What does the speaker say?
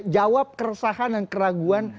jawab keresahan dan keraguan